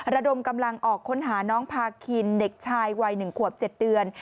ระดมกำลังออกค้นหาน้องพาคินเด็กชายวัย๑ขวบ๗เดือน